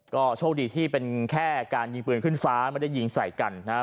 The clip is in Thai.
ก็โชคดีที่เป็นแค่การยิงปืนขึ้นฟ้าไม่ได้ยิงใส่กันนะครับ